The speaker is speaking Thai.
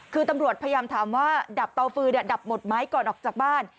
คือตำรวจพยายามถามว่าดับเตาฟืนดับหมดไหมก่อนออกจากบ้าน